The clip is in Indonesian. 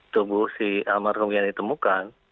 tubuh si almarhum yang ditemukan